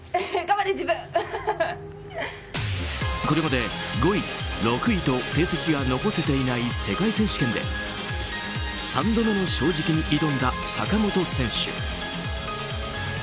これまで５位、６位と成績が残せていない世界選手権で３度目の正直に挑んだ坂本選手。